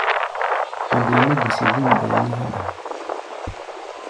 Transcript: A̧ dee mɛ́ gusi bêm, ɓɛɛ mí háɗʼaa.